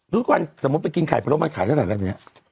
รู้สึกว่าสมมุติไปกินไข่พะโลกมันขายเท่าไหร่แบบนี้